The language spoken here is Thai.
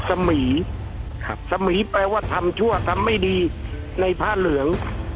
สมีครับสมีแปลว่าทำชั่วทำไม่ดีในผ้าเหลือง